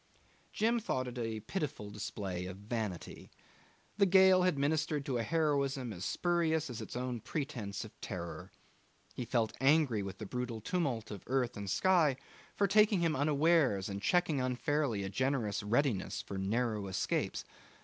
Jim thought it a pitiful display of vanity. The gale had ministered to a heroism as spurious as its own pretence of terror. He felt angry with the brutal tumult of earth and sky for taking him unawares and checking unfairly a generous readiness for narrow escapes.